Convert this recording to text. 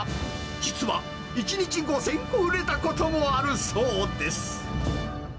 実は１日５０００個売れたこともあるそうです。